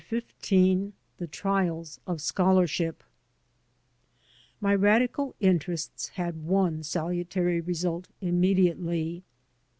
XV THE TBIALS OF SCHOLABSHIP MY radical interests had one salutary result im mediately.